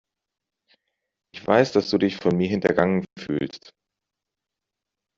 Ich weiß, dass du dich von mir hintergangen fühlst.